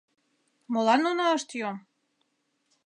Молан нуно ышт йом?